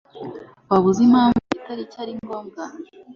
Waba uzi impamvu iyi tariki ari ngombwa?